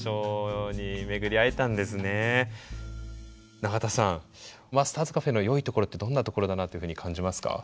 永田さんマスターズＣａｆｅのよいところってどんなところだなというふうに感じますか？